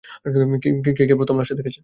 কে প্রথম লাশটা দেখেছে?